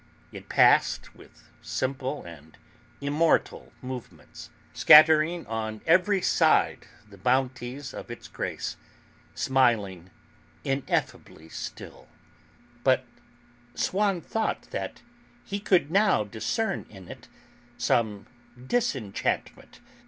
It passed, with simple and immortal movements, scattering on every side the bounties of its grace, smiling ineffably still; but Swann thought that he could now discern in it some disenchantment.